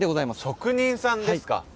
職人さんですか。